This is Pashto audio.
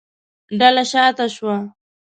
ډله شا ته شوه.